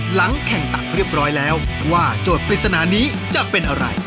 หลังแข่งตักเรียบร้อยแล้วว่าโจทย์ปริศนานี้จะเป็นอะไร